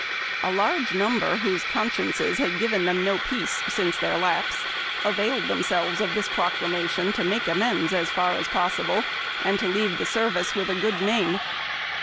A large number whose consciences had given them no peace since their lapse, availed themselves of this proclamation to make amends as far as possible, and leave the service with a good name.